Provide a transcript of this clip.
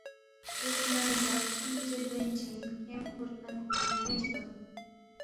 دیکھہ نہ لزا خسُوم ژے گوئین چی کھیم کھُور کھن نوین چی تھون